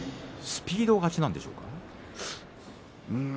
スピード勝ちなんでしょうか。